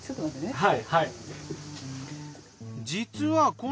はい。